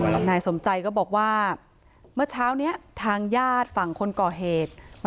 นายสมใจก็บอกว่าเมื่อเช้านี้ทางญาติฝั่งคนก่อเหตุ